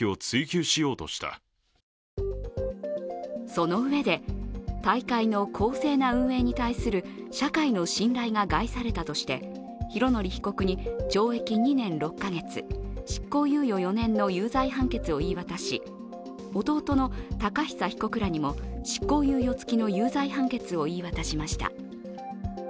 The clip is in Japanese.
そのうえで、大会の公正な運営に対する社会の信頼が害されたとして拡憲被告に懲役２年６か月執行猶予４年の有罪判決を言い渡し弟の宝久被告らにも執行猶予付きの有罪判決を言い渡しました。